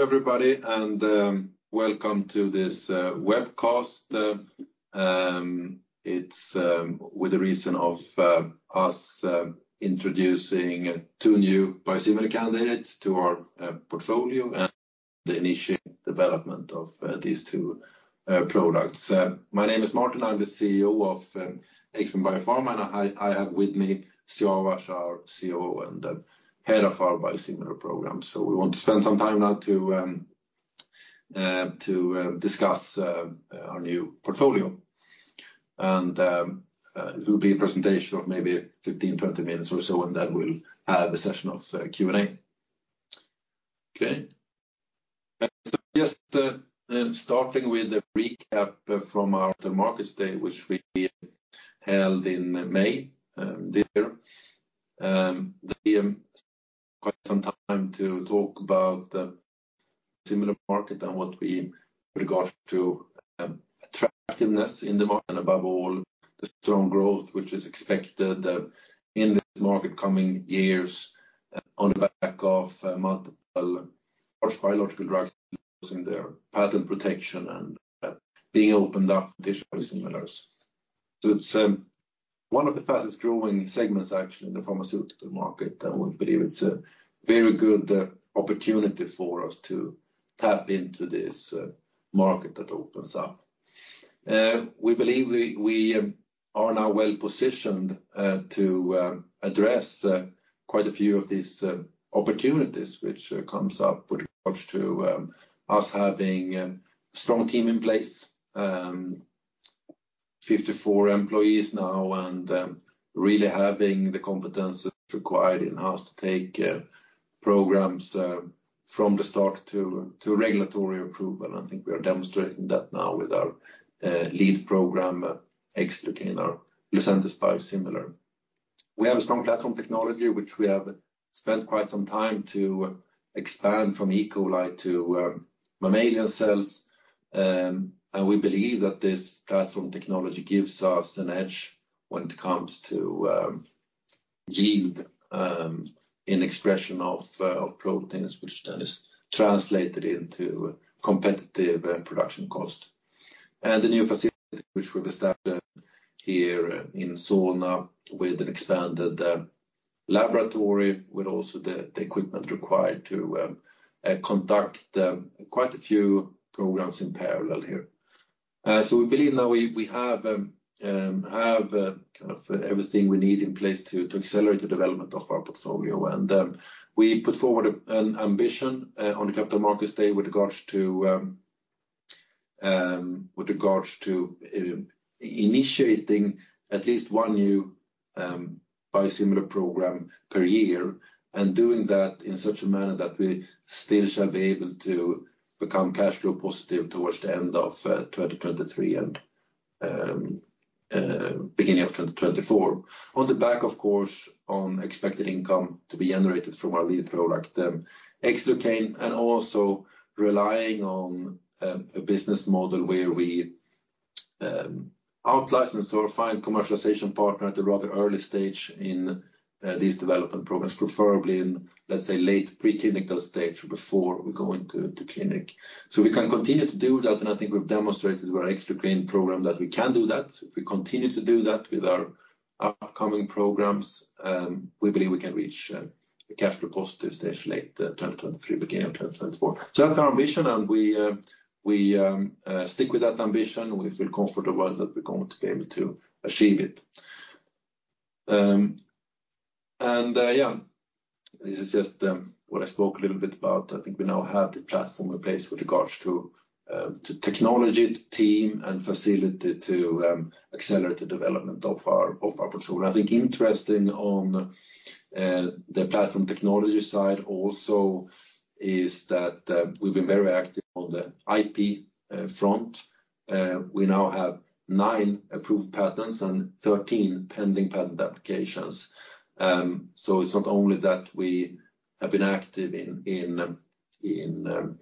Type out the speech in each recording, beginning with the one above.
Hello everybody and welcome to this webcast. It's the reason for us introducing two new biosimilar candidates to our portfolio and the initial development of these two products. My name is Martin. I'm the CEO of Xbrane Biopharma, and I have with me Siavash, our COO, and the head of our biosimilar program. We want to spend some time now to discuss our new portfolio. It will be a presentation of maybe 15, 20 minutes or so, and then we'll have a session of Q&A. Okay. Just starting with a recap from our Capital Markets Day, which we held in May this year, there was quite some time to talk about the biosimilar market and with regards to attractiveness in the market, above all, the strong growth which is expected in this market coming years on the back of multiple large biological drugs losing their patent protection and being opened up for biosimilars. It's one of the fastest growing segments actually in the pharmaceutical market, and we believe it's a very good opportunity for us to tap into this market that opens up. We believe we are now well-positioned to address quite a few of these opportunities which comes up with regards to us having strong team in place. 54 employees now, and really having the competence required in-house to take programs from the start to regulatory approval. I think we are demonstrating that now with our lead program Xlucane, our Lucentis biosimilar. We have a strong platform technology, which we have spent quite some time to expand from E. coli to mammalian cells. We believe that this platform technology gives us an edge when it comes to yield in expression of proteins, which then is translated into competitive production cost. The new facility which we've established here in Solna with an expanded laboratory, with also the equipment required to conduct quite a few programs in parallel here. We believe now we have kind of everything we need in place to accelerate the development of our portfolio. We put forward an ambition on the Capital Markets Day with regards to initiating at least one new biosimilar program per year and doing that in such a manner that we still shall be able to become cash flow positive towards the end of 2023 and beginning of 2024. On the back, of course, of expected income to be generated from our lead product, Xlucane, and also relying on a business model where we out-license or find commercialization partner at a rather early stage in these development programs, preferably in, let's say, late pre-clinical stage before we go into the clinic. We can continue to do that, and I think we've demonstrated with our Xlucane program that we can do that. If we continue to do that with our upcoming programs, we believe we can reach a cash flow positive stage late 2023, beginning of 2024. That's our ambition and we stick with that ambition. We feel comfortable that we're going to be able to achieve it. This is just what I spoke a little bit about. I think we now have the platform in place with regards to technology, team and facility to accelerate the development of our portfolio. I think interesting on the platform technology side also is that we've been very active on the IP front. We now have 9 approved patents and 13 pending patent applications. So it's not only that we have been active in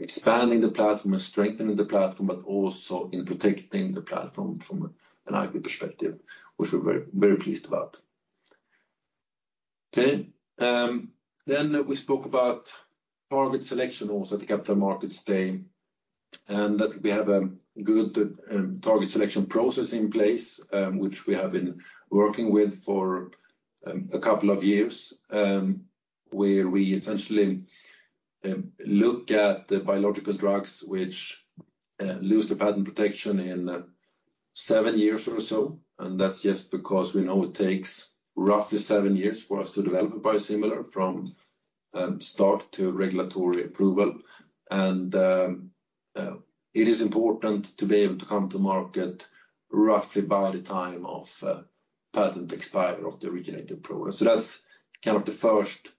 expanding the platform and strengthening the platform, but also in protecting the platform from an IP perspective, which we're very, very pleased about. Okay. Then we spoke about target selection also at the Capital Markets Day, and that we have a good target selection process in place, which we have been working with for a couple of years, where we essentially look at the biological drugs which lose the patent protection in 7 years or so. That's just because we know it takes roughly 7 years for us to develop a biosimilar from start to regulatory approval. It is important to be able to come to market roughly by the time of patent expiry of the originated product. That's kind of the first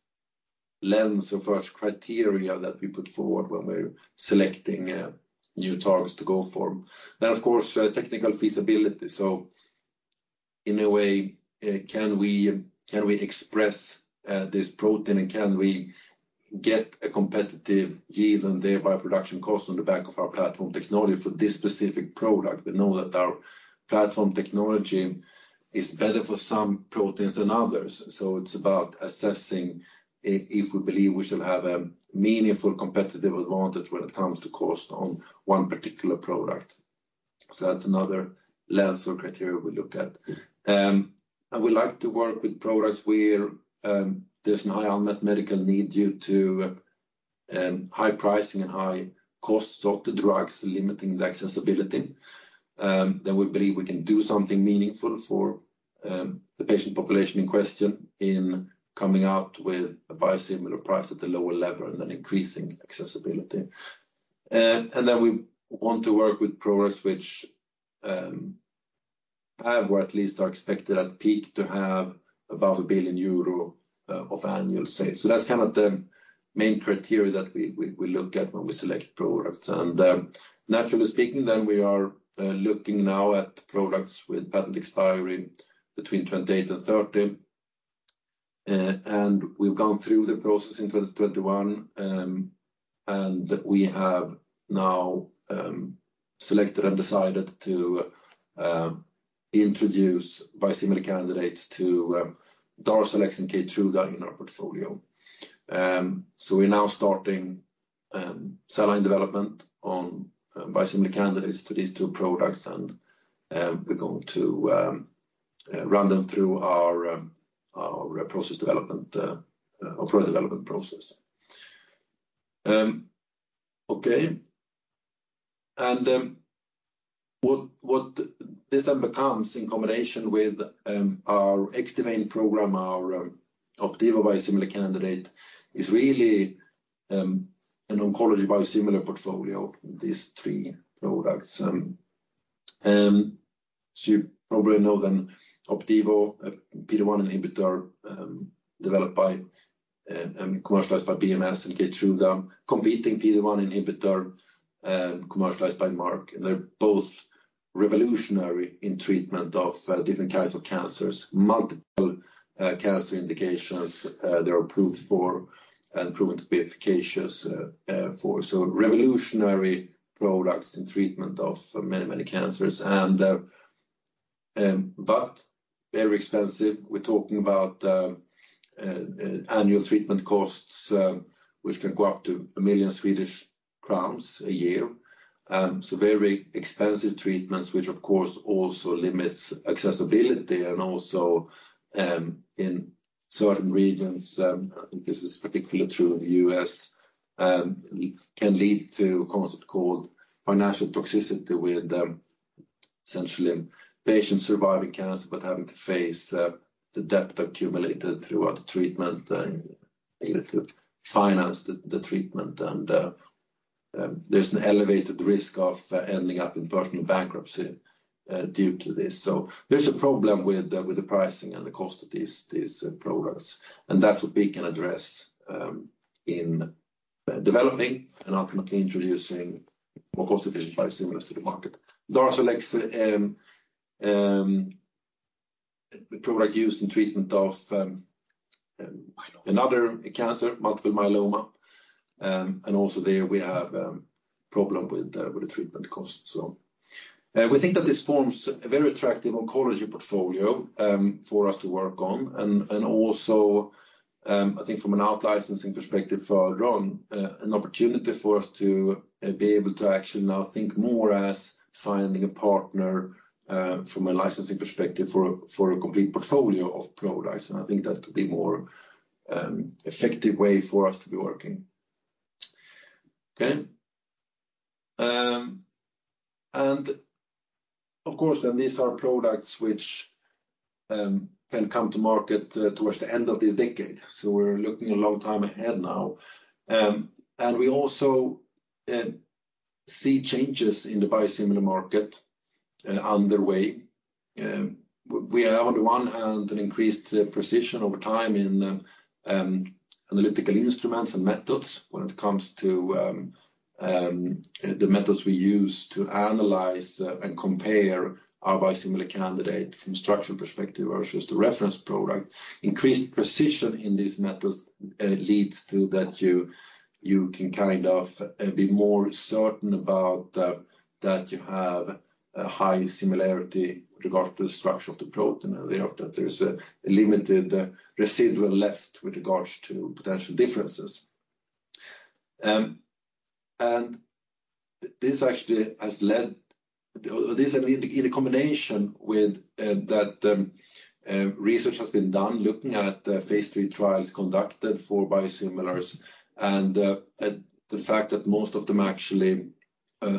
lens or first criteria that we put forward when we're selecting new targets to go for. Of course, technical feasibility. In a way, can we express this protein and can we get a competitive yield and thereby production cost on the back of our platform technology for this specific product? We know that our platform technology is better for some proteins than others. It's about assessing if we believe we shall have a meaningful competitive advantage when it comes to cost on one particular product. That's another lens or criteria we look at. We like to work with products where there's a high unmet medical need due to high pricing and high costs of the drugs limiting the accessibility. We believe we can do something meaningful for the patient population in question in coming out with a biosimilar price at a lower level and then increasing accessibility. We want to work with products which have or at least are expected at peak to have above 1 billion euro of annual sales. That's kind of the main criteria that we look at when we select products. Naturally speaking then, we are looking now at products with patent expiry between 2028 and 2030. We've gone through the process in 2021, and we have now selected and decided to introduce biosimilar candidates to Darzalex and Keytruda in our portfolio. We're now starting cell line development on biosimilar candidates to these two products and we're going to run them through our process development or product development process. What this then becomes in combination with our Xdivane program, our Opdivo biosimilar candidate, is really an oncology biosimilar portfolio, these three products. You probably know Opdivo, a PD-1 inhibitor, developed by and commercialized by BMS and Keytruda, competing PD-1 inhibitor, commercialized by Merck. They're both revolutionary in treatment of different kinds of cancers, multiple cancer indications they are approved for and proven to be efficacious. Revolutionary products in treatment of many cancers and but very expensive. We're talking about annual treatment costs which can go up to 1 million Swedish crowns a year. Very expensive treatments which of course also limits accessibility and also in certain regions and this is particularly true in the U.S. can lead to a concept called financial toxicity with essentially patients surviving cancer but having to face the debt accumulated throughout the treatment able to finance the treatment. There's an elevated risk of ending up in personal bankruptcy due to this. There's a problem with the pricing and the cost of these products. That's what we can address in developing and ultimately introducing more cost-efficient biosimilars to the market. Darzalex, a product used in treatment of another cancer, multiple myeloma. Also there we have a problem with the treatment cost. We think that this forms a very attractive oncology portfolio for us to work on. I think from an out-licensing perspective for Ron, an opportunity for us to be able to actually now think more as finding a partner from a licensing perspective for a complete portfolio of products. I think that could be more effective way for us to be working. Okay. Of course then these are products which can come to market towards the end of this decade. We're looking a long time ahead now. We also see changes in the biosimilar market underway. We are on the one hand an increased precision over time in analytical instruments and methods when it comes to the methods we use to analyze and compare our biosimilar candidate from structural perspective versus the reference product. Increased precision in these methods leads to that you can kind of be more certain about that you have a high similarity with regard to the structure of the protein and therefore there's a limited residual left with regards to potential differences. This actually has led. This in combination with that research has been done looking at phase III trials conducted for biosimilars and the fact that most of them actually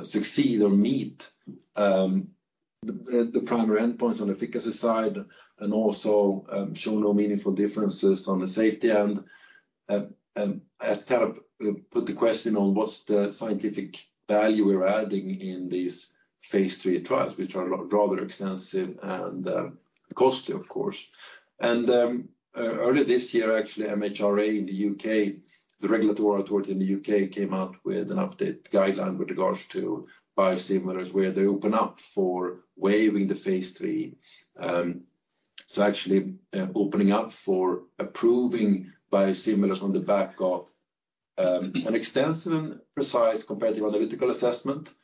succeed or meet the primary endpoints on efficacy side and also show no meaningful differences on the safety end. Has kind of put the question on what's the scientific value we're adding in these phase III trials, which are rather extensive and costly, of course. Earlier this year actually, MHRA in the U.K., the regulatory authority in the U.K., came out with an update guideline with regards to biosimilars, where they open up for waiving the phase III. Actually, opening up for approving biosimilars on the back of an extensive and precise comparative analytical assessment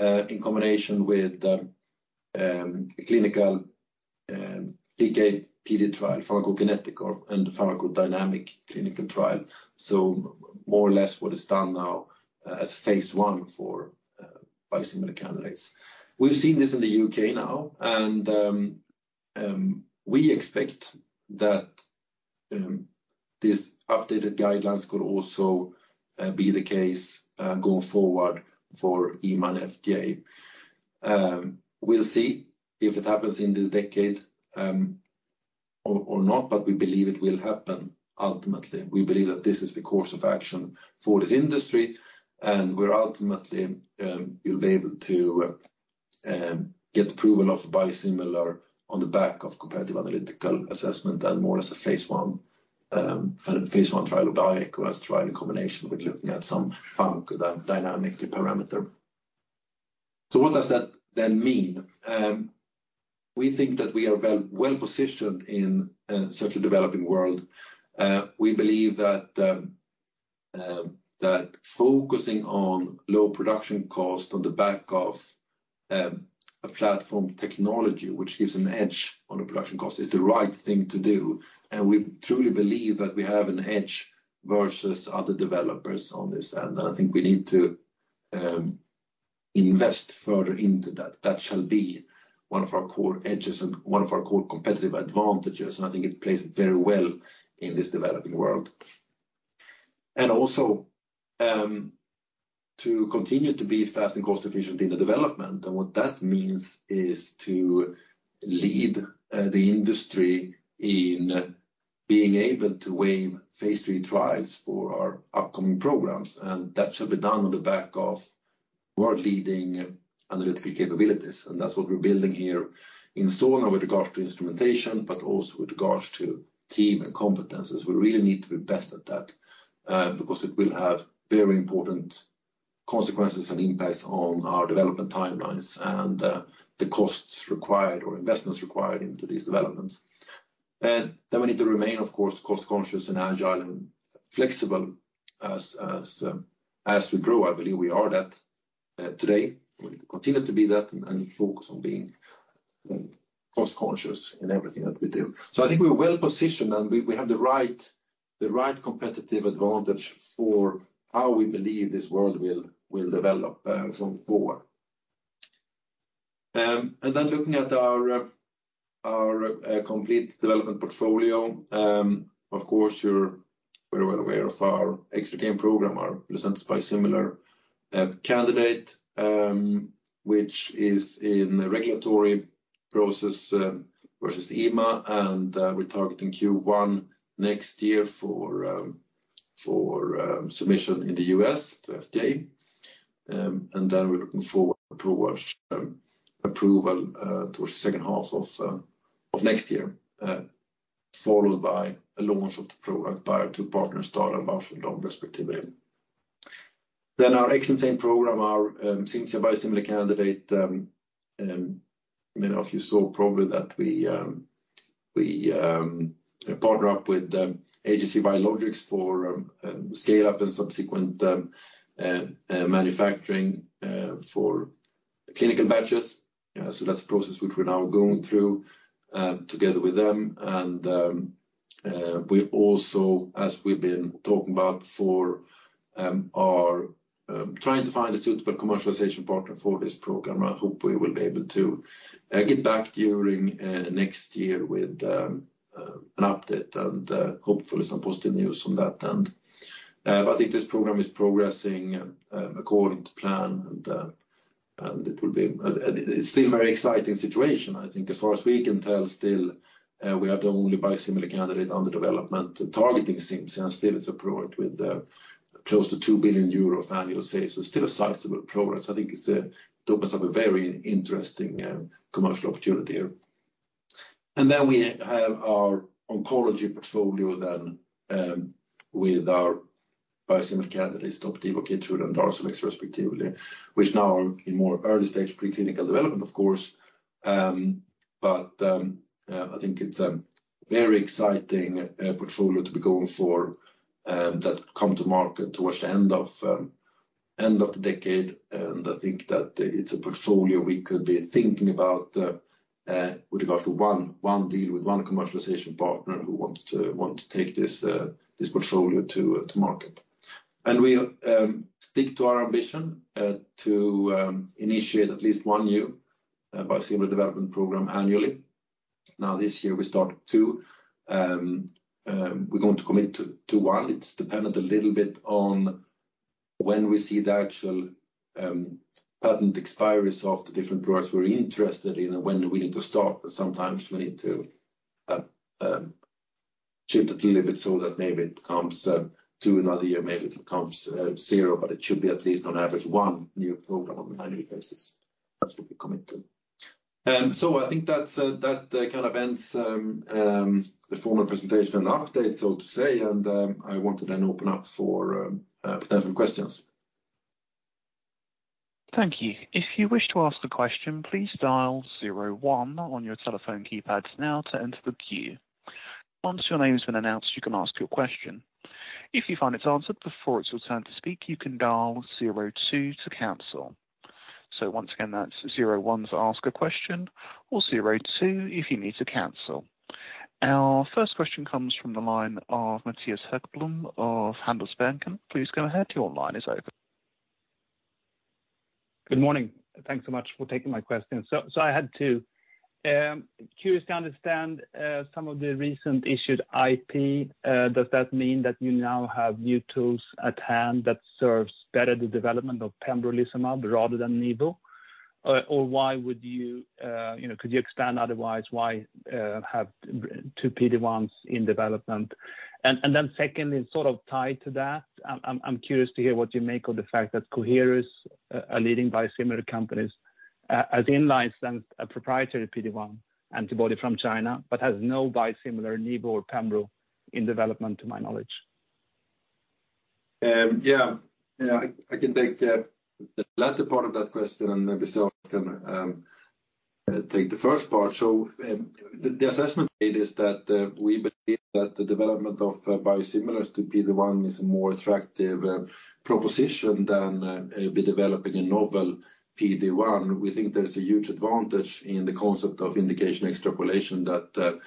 in combination with clinical PK/PD trial, pharmacokinetic and pharmacodynamic clinical trial. More or less what is done now as phase I for biosimilar candidates. We've seen this in the U.K. now, and we expect that this updated guidelines could also be the case going forward for EMA and FDA. We'll see if it happens in this decade or not, but we believe it will happen ultimately. We believe that this is the course of action for this industry, and we're ultimately will be able to get approval of biosimilar on the back of competitive analytical assessment and more as a phase I trial or bioequivalence trial in combination with looking at some pharmacodynamic parameter. What does that then mean? We think that we are well-positioned in such a developing world. We believe that that focusing on low production cost on the back of a platform technology which gives an edge on a production cost is the right thing to do. We truly believe that we have an edge versus other developers on this. I think we need to invest further into that. That shall be one of our core edges and one of our core competitive advantages, and I think it plays very well in this developing world. Also, to continue to be fast and cost-efficient in the development. What that means is to lead the industry in being able to waive phase III trials for our upcoming programs, and that shall be done on the back of world-leading analytical capabilities. That's what we're building here in Solna with regards to instrumentation, but also with regards to team and competencies. We really need to be best at that, because it will have very important consequences and impacts on our development timelines and the costs required or investments required into these developments. Then we need to remain, of course, cost-conscious and agile and flexible as we grow. I believe we are that today. We continue to be that and focus on being cost-conscious in everything that we do. I think we're well-positioned, and we have the right competitive advantage for how we believe this world will develop going forward. Looking at our complete development portfolio, of course, you're very well aware of our Xlucane program, our biosimilar candidate, which is in the regulatory process with EMA. We're targeting Q1 next year for submission in the U.S. to FDA. We're looking forward towards approval towards the second half of next year, followed by a launch of the product via two partners, STADA and Valorum respectively. Our Xcimzane program, our Cimzia biosimilar candidate, probably many of you saw that we partner up with AGC Biologics for scale-up and subsequent manufacturing for clinical batches. Yeah, so that's a process which we're now going through together with them. We also, as we've been talking about before, are trying to find a suitable commercialization partner for this program. I hope we will be able to get back during next year with an update and hopefully some positive news on that. I think this program is progressing according to plan, and it will be. It's still very exciting situation. I think as far as we can tell, still, we are the only biosimilar candidate under development targeting Cimzia, and still it's a product with close to 2 billion euros annual sales. Still a sizable progress. I think it opens up a very interesting commercial opportunity. Then we have our oncology portfolio with our biosimilar candidates, Opdivo, Keytruda, and Darzalex respectively, which now are in more early stage preclinical development, of course. I think it's a very exciting portfolio to be going for that come to market towards the end of the decade. I think that it's a portfolio we could be thinking about with regards to one deal with one commercialization partner who want to take this portfolio to market. We stick to our ambition to initiate at least one new biosimilar development program annually. Now, this year, we start two. We're going to commit to one. It's dependent a little bit on when we see the actual patent expiries of the different products we're interested in and when do we need to start. Sometimes we need to shift a little bit so that maybe it comes to another year, maybe it becomes zero, but it should be at least on average one new program on an annual basis. That's what we commit to. I think that kind of ends the formal presentation and update, so to say. I want to then open up for potential questions. Thank you. If you wish to ask a question, please dial 01 on your telephone keypads now to enter the queue. Once your name has been announced, you can ask your question. If you find it's answered before it's your turn to speak, you can dial 02 to cancel. Once again, that's 01 to ask a question or 02 if you need to cancel. Our first question comes from the line of Mattias Häggblom of Handelsbanken. Please go ahead. Your line is open. Good morning. Thanks so much for taking my question. I had two. Curious to understand some of the recent issued IP. Does that mean that you now have new tools at hand that serves better the development of pembrolizumab rather than nivo? Or why would you know, could you expand otherwise, why have two PD-1s in development? And then secondly, sort of tied to that, I'm curious to hear what you make of the fact that Coherus, a leading biosimilar companies, has in-licensed a proprietary PD-1 antibody from China but has no biosimilar nivo or pembro in development, to my knowledge. Yeah. Yeah, I can take the latter part of that question, and maybe Selva can take the first part. The assessment made is that we believe that the development of biosimilars to PD-1 is a more attractive proposition than developing a novel PD-1. We think there's a huge advantage in the concept of indication extrapolation that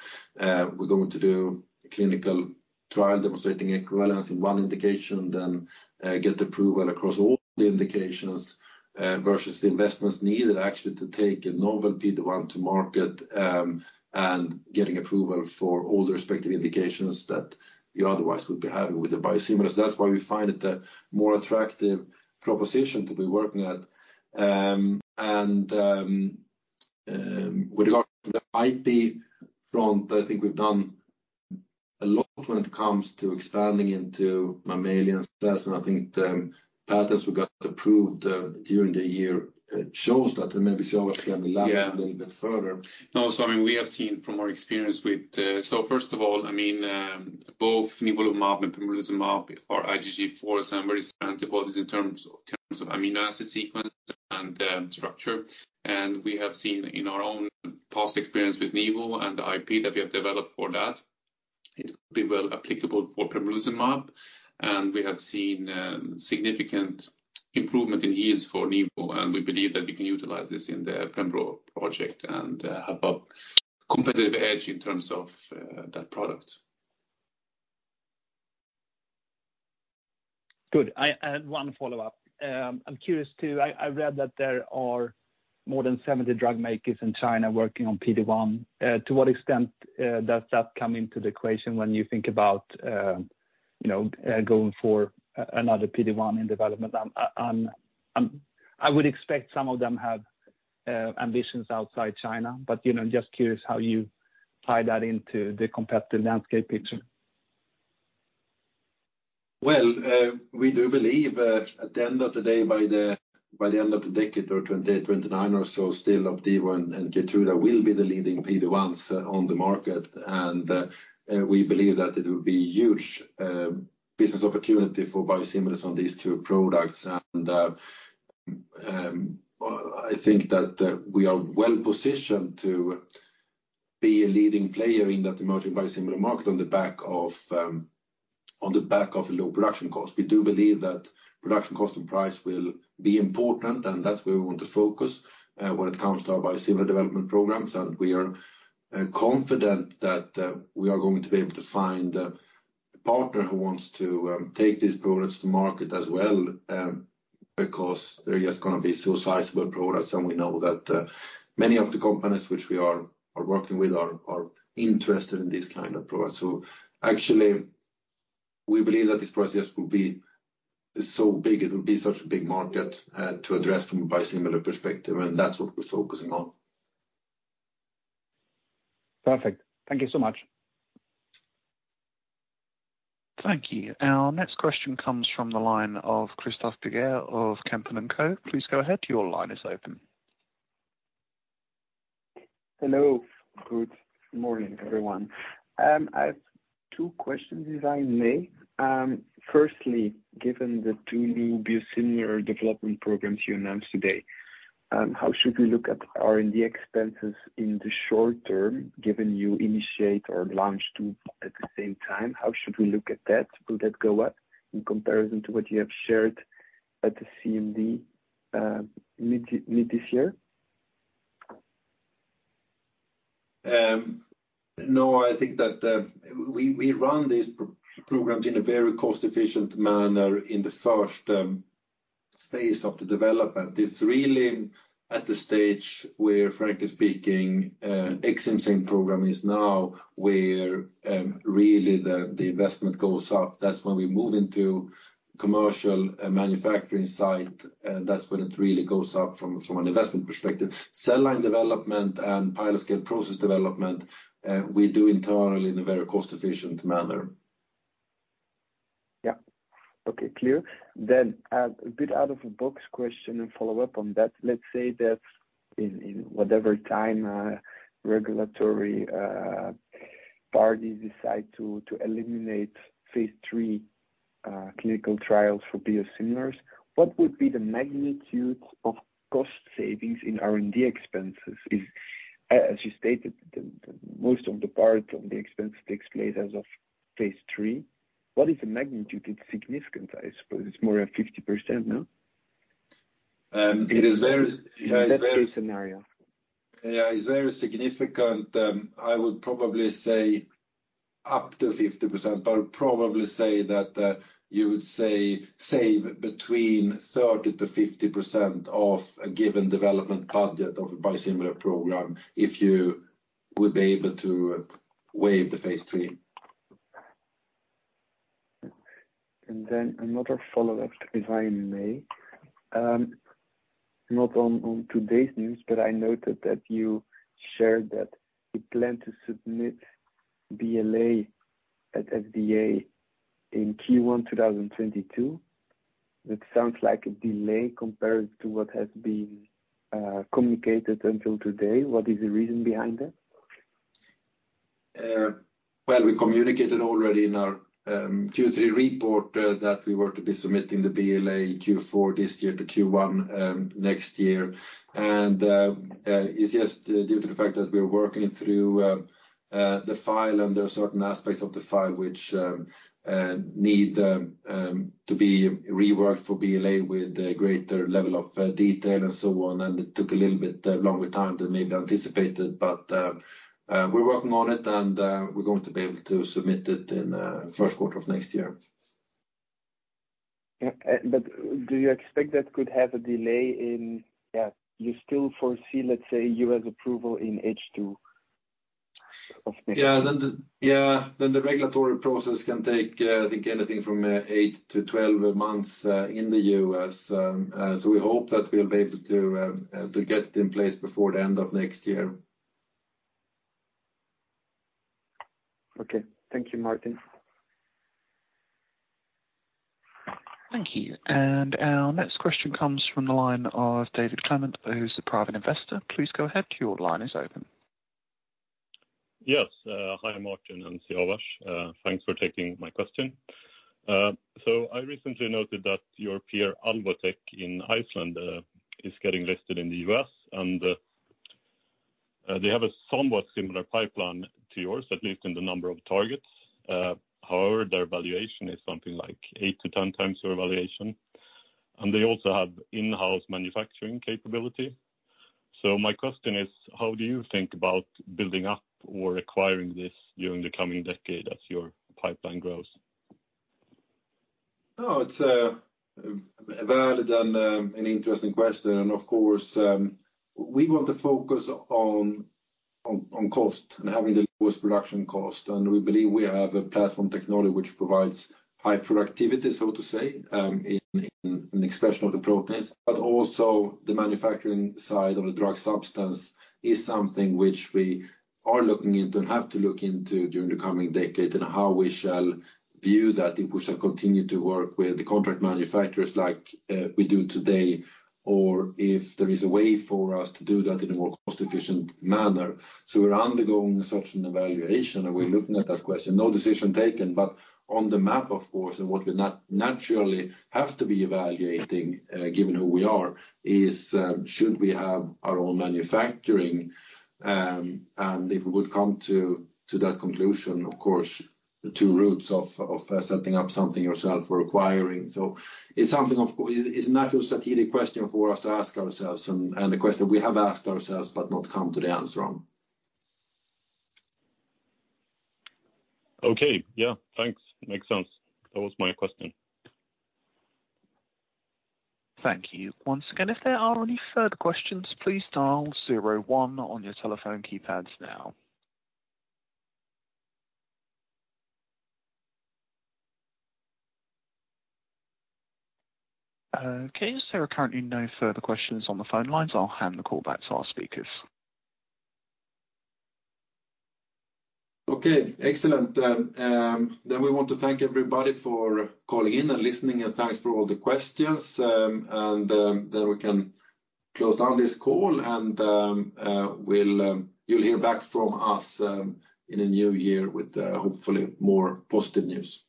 we're going to do clinical trial demonstrating equivalence in one indication, then get approval across all the indications versus the investments needed actually to take a novel PD-1 to market, and getting approval for all the respective indications that you otherwise would be having with the biosimilars. That's why we find it a more attractive proposition to be working at. With regard to the IP front, I think we've done a lot when it comes to expanding into mammalian cells, and I think the patents we got approved during the year shows that. Maybe Siavash Bashiri can elaborate. Yeah. A little bit further. No. I mean, we have seen from our experience with. First of all, I mean, both nivolumab and pembrolizumab are IgG4 antibodies in terms of amino acid sequence and structure. We have seen in our own past experience with nivo and the IP that we have developed for that, it will be well applicable for pembrolizumab. We have seen significant improvement in yields for nivo, and we believe that we can utilize this in the pembro project and have a competitive edge in terms of that product. Good. I have one follow-up. I'm curious too. I read that there are more than 70 drug makers in China working on PD-1. To what extent does that come into the equation when you think about, you know, going for another PD-1 in development? I would expect some of them have ambitions outside China, but, you know, just curious how you tie that into the competitive landscape picture. Well, we do believe at the end of the day, by the end of the decade or 2029 or so, still Opdivo and Keytruda will be the leading PD-1s on the market. We believe that it will be huge business opportunity for biosimilars on these two products. I think that we are well positioned to be a leading player in that emerging biosimilar market on the back of low production cost. We do believe that production cost and price will be important, and that's where we want to focus when it comes to our biosimilar development programs. We are confident that we are going to be able to find a partner who wants to take these products to market as well, because they're just gonna be so sizable products. We know that many of the companies which we are working with are interested in this kind of product. Actually we believe that this process will be so big, it will be such a big market to address from a biosimilar perspective, and that's what we're focusing on. Perfect. Thank you so much. Thank you. Our next question comes from the line of Christophe Piguet of Kempen & Co. Please go ahead. Your line is open. Hello. Good morning, everyone. I have two questions, if I may. Firstly, given the two new biosimilar development programs you announced today, how should we look at R&D expenses in the short term, given you initiate or launch two at the same time? How should we look at that? Will that go up in comparison to what you have shared at the CMD, mid this year? No. I think that we run these programs in a very cost-efficient manner in the first phase of the development. It's really at the stage where, frankly speaking, Xcimzane program is now where really the investment goes up. That's when we move into commercial manufacturing site, that's when it really goes up from an investment perspective. Cell line development and pilot scale process development we do internally in a very cost-efficient manner. Yeah. Okay. Clear. A bit out of the box question and follow-up on that. Let's say that in whatever time regulatory parties decide to eliminate phase III clinical trials for biosimilars, what would be the magnitude of cost savings in R&D expenses? As you stated, the most of the parts of the expense takes place as of phase III. What is the magnitude? It's significant, I suppose. It's more than 50%, no? It is very In that case scenario. Yeah, it's very significant. I would probably say up to 50%, but probably say that, you would say save between 30%-50% of a given development budget of a biosimilar program if you would be able to waive the phase III. Another follow-up, if I may. Not on today's news, but I noted that you shared that you plan to submit BLA at FDA in Q1 2022. That sounds like a delay compared to what has been communicated until today. What is the reason behind that? Well, we communicated already in our Q3 report that we were to be submitting the BLA Q4 this year to Q1 next year. It's just due to the fact that we're working through the file and there are certain aspects of the file which need to be reworked for BLA with a greater level of detail and so on. It took a little bit longer time than maybe anticipated. We're working on it and we're going to be able to submit it in first quarter of next year. Yeah. Yeah, you still foresee, let's say, U.S. approval in H2 of next year? The regulatory process can take, I think, anything from 8-12 months in the U.S. We hope that we'll be able to get it in place before the end of next year. Okay. Thank you, Martin. Thank you. Our next question comes from the line of David Clement, who's a private investor. Please go ahead. Your line is open. Yes. Hi, Martin and Siavash. Thanks for taking my question. I recently noted that your peer, Alvotech in Iceland, is getting listed in the U.S. They have a somewhat similar pipeline to yours, at least in the number of targets. However, their valuation is something like 8-10 times your valuation. They also have in-house manufacturing capability. My question is, how do you think about building up or acquiring this during the coming decade as your pipeline grows? It's a valid and an interesting question. Of course, we want to focus on cost and having the lowest production cost. We believe we have a platform technology which provides high productivity, so to say, in expression of the proteins. Also the manufacturing side of the drug substance is something which we are looking into and have to look into during the coming decade and how we shall view that if we shall continue to work with the contract manufacturers like we do today or if there is a way for us to do that in a more cost-efficient manner. We're undergoing such an evaluation, and we're looking at that question. No decision taken, but on the map, of course, and what we naturally have to be evaluating, given who we are, is, should we have our own manufacturing. If we would come to that conclusion, of course, the two routes of setting up something yourself or acquiring. It's a natural strategic question for us to ask ourselves and a question we have asked ourselves but not come to the answer on. Okay. Yeah. Thanks. Makes sense. That was my question. Thank you. Once again, if there are any further questions, please dial 01 on your telephone keypads now. Okay. As there are currently no further questions on the phone lines, I'll hand the call back to our speakers. Okay. Excellent. We want to thank everybody for calling in and listening, and thanks for all the questions. We can close down this call and we'll. You'll hear back from us in a new year with hopefully more positive news.